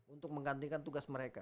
untuk menggantikan tugas mereka